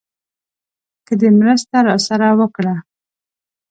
که دې مرسته راسره وکړه.